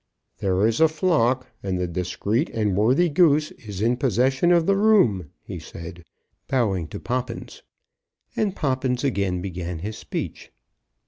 "There is a flock, and the discreet and worthy Goose is in possession of the room," he said, bowing to Poppins. And Poppins again began his speech.